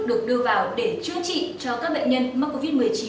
được đưa vào để chữa trị cho các bệnh nhân mắc covid một mươi chín